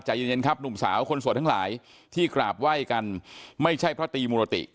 ใจเย็นครับหนุ่มสาวคนโสดทั้งหลายที่กราบไหว้กันไม่ใช่พระตีมุรติ